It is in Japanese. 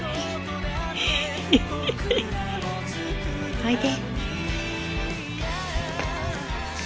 おいで。